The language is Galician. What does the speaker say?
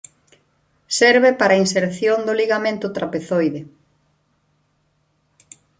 Serve para a inserción do ligamento trapezoide.